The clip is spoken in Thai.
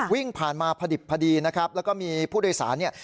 วิ่งผ่านมาพอดิบพอดีนะครับแล้วก็มีผู้โดยสารเนี่ย